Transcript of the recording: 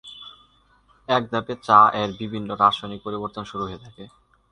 এই ধাপে চা এর বিভিন্ন রাসায়নিক পরিবর্তন শুরু হতে থাকে।